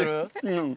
うん。